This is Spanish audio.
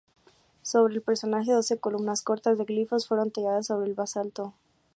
Sobre el personaje, doce columnas cortas de glifos fueron talladas sobre el basalto.